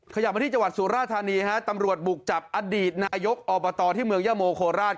ขยับมาที่จังหวัดสุราธานีฮะตำรวจบุกจับอดีตนายกอบตที่เมืองยะโมโคราช